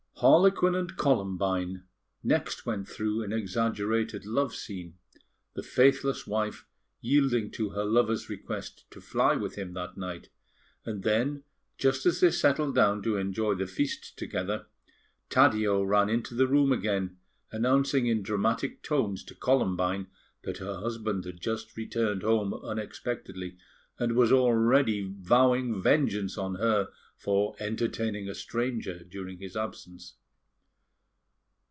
Harlequin and Columbine next went through an exaggerated love scene, the faithless wife yielding to her lover's request to fly with him that night; and then, just as they settled down to enjoy the feast together, Taddeo ran into the room again, announcing in dramatic tones to Columbine that her husband had just returned home unexpectedly, and was already vowing vengeance on her for entertaining a stranger during his absence.